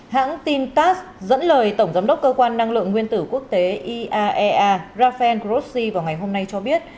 hãng tin tass dẫn lời tổng giám đốc cơ quan năng lượng nguyên tử quốc tế iaea rafael grossi vào ngày hôm nay cho biết